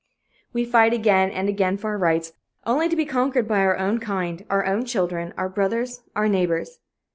We fight again and again for our rights, only to be conquered by our own kind, our own children, our brother's, our neighbor's.